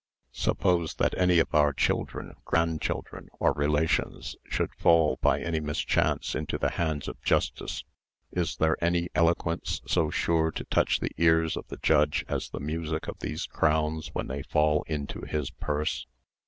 Suppose that any of our children, grandchildren, or relations should fall by any mischance into the hands of justice, is there any eloquence so sure to touch the ears of the judge as the music of these crowns when they fall into his purse?